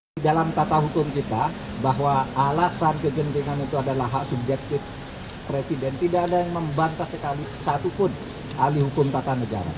di dalam tata hukum kita bahwa alasan kegentingan itu adalah hak subjektif presiden tidak ada yang membantah sekali satupun ahli hukum tata negara